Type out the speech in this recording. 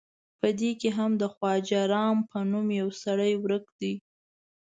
په دې کې هم د خواجه رام په نوم یو سړی ورک دی.